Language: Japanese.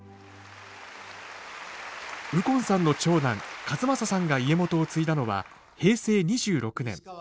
右近さんの長男千雅さんが家元を継いだのは平成２６年。